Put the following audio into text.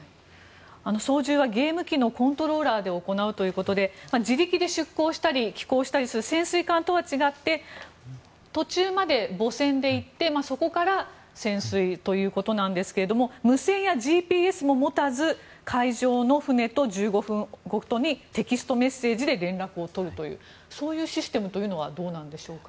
操縦はゲーム機のコントローラーで行うということで自力で出航したり寄港したりする潜水艦とは違って途中まで母船でいってそこから潜水ということなんですが無線やＧＰＳも持たず海上の船と１５分ごとにテキストメッセージで連絡を取るというそういうシステムというのはどうなんでしょうか。